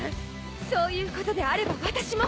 そういうことであれば私も。